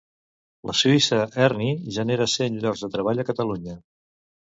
La suïssa Erni genera cent llocs de treball a Catalunya.